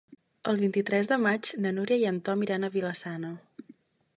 El vint-i-tres de maig na Núria i en Tom iran a Vila-sana.